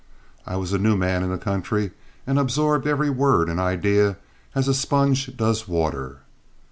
I was a new man in the country, and absorbed every word and idea as a sponge does water.